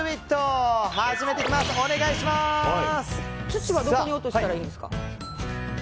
土はどこに落としたらいいんですか？